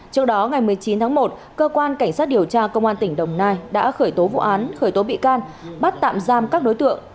trước đó ngày một mươi chín tháng một cơ quan cảnh sát điều tra công an tỉnh đồng nai đã khởi tố vụ án khởi tố bị can bắt tạm giam các đối tượng